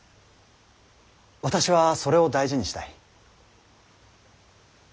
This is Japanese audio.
私はそれを大事にしたい。